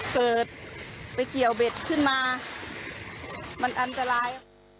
เกิดไปเกี่ยวเบ็ดขึ้นมามันอันตราย